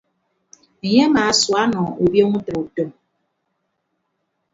Enye amaasua ọnọ ubiọñ utịre utom.